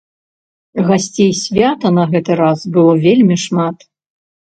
Гасцей свята на гэты раз было вельмі шмат.